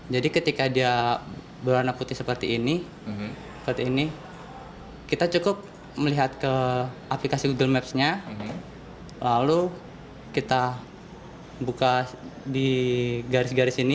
jadi ketika dia berwarna putih seperti ini kita cukup melihat ke aplikasi google maps nya lalu kita buka di garis garis ini